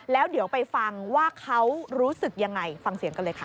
แล้วเดี๋ยวไปฟังว่าเขารู้สึกยังไงฟังเสียงกันเลยค่ะ